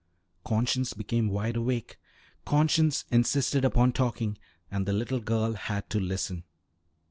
Conscience became wide awake. Conscience insisted upon talking, and the little girl had to listen.